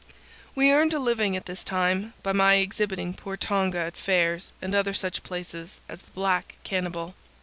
"We earned a living at this time by my exhibiting poor Tonga at fairs and other such places as the black cannibal.